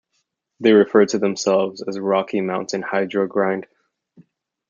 They refer themselves as "rocky mountain hydro grind".